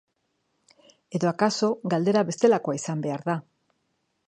Edo akaso galdera bestelakoa izan behar da.